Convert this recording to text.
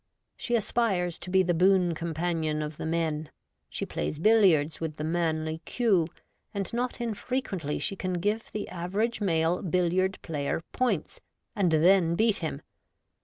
She aspires to be the boon companion of the men ; she plays billiards with the manly cue, and not infrequently she can give the average male billiard player points, and then beat him.